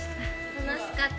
楽しかった。